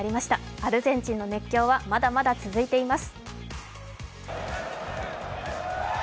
アルゼンチンの熱狂はまだまだ続いています。